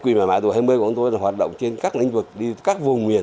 quỹ mãi tùa hai mươi của chúng tôi là hoạt động trên các lĩnh vực đi các vùng miền